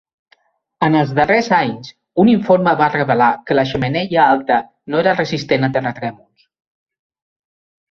En els darrers anys, un informe va revelar que la xemeneia alta no era resistent a terratrèmols.